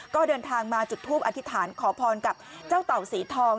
ก็เดินทางมาจุดทูปอธิษฐานขอพรกับเจ้าเต่าสีทอง